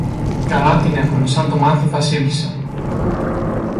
Καλά την έχομε σαν το μάθει η Βασίλισσα.